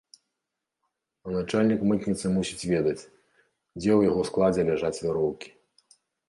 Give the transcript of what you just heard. А начальнік мытніцы мусіць ведаць, дзе ў яго складзе ляжаць вяроўкі.